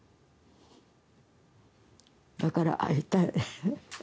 だから会いたい。